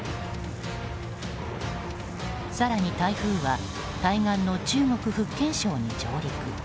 更に台風は対岸の中国・福建省に上陸。